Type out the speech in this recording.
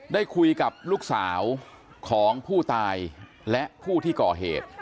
ได้คุยกับลูกสาวของผู้ตายและผู้ที่ก่อเหตุ